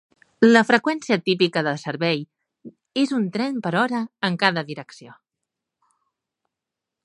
La freqüència típica de servei és un tren per hora en cada direcció.